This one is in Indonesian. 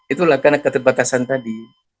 itulah karena keterbatasan tadi